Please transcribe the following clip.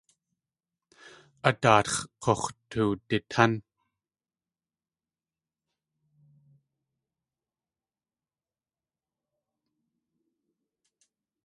A daatx̲ k̲ux̲ tuwditán.